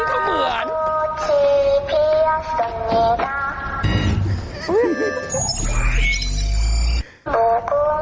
ถ้าเหมือนจริง